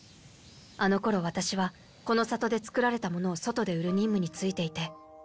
あの頃ワタシはこの里で作られたものを外で売る任務に就いていて。